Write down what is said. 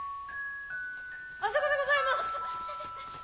あそこでございます！